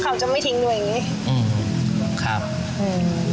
เขาจะไม่ทิ้งด้วยอย่างงี้อืมครับอืม